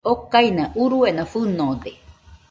Okaina uruena fɨnode.